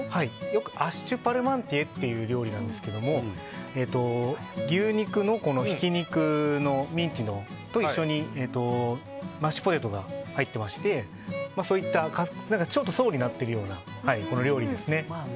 よくマッシュパルマンティエっていう料理なんですけど牛肉のひき肉のミンチと一緒にマッシュポテトが入ってまして層になってるような料理です。